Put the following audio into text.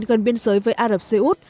gần biên giới với ả rập xê út